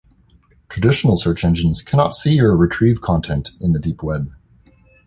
Traditional search engines cannot see or retrieve content in the deep web.